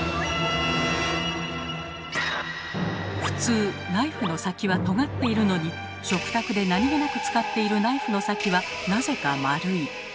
普通ナイフの先はとがっているのに食卓で何気なく使っているナイフの先はなぜか丸い。